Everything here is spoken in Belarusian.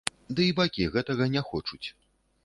Ды і бакі гэтага не хочуць.